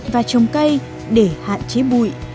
và trồng cây để hạn chế bụi